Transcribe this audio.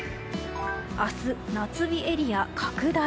明日、夏日エリア拡大。